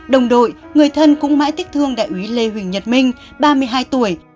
đồng đội người thân cũng mãi tiếc thương đại úy lê huỳnh nhật minh ba mươi hai tuổi